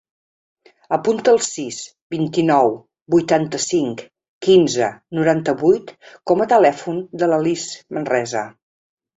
Apunta el sis, vint-i-nou, vuitanta-cinc, quinze, noranta-vuit com a telèfon de la Lis Manresa.